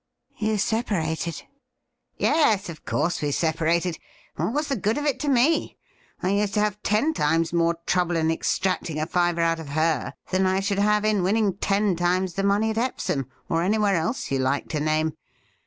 ' You separated ?'' Yes, of course we separated. What was the good of it to me ? I used to have ten times more trouble in extracting a fiver out of her than I should have in winning ten times the money at Epsom, or anywhere else you like to name.